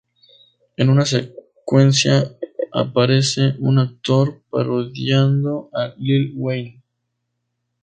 En una secuencia aparece un actor parodiando a Lil Wayne.